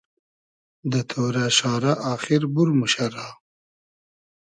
دۂ تۉرۂ شارۂ آخیر بور موشۂ را